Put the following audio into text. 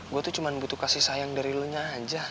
gue tuh cuma butuh kasih sayang dari lo nya aja